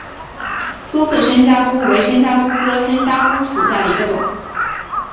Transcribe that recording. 粗刺深虾蛄为深虾蛄科深虾蛄属下的一个种。